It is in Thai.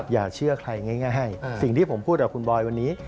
อย่าเชื่อใครง่ายสิ่งที่ผมพูดกับคุณบอยวันนี้